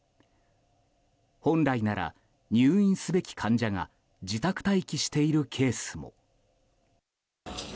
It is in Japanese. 本来なら入院すべき患者が自宅待機しているケースも。